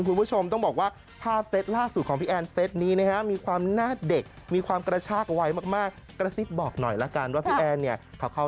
คุณผู้ชมดูหลักฐานอยู่ที่หน้าพี่แอนตรงนี้แล้ว